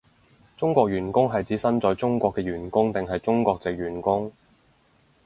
中國員工係指身在中國嘅員工定係中國藉員工？